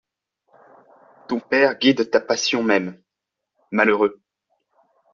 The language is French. Ton père guide ta passion même, malheureux!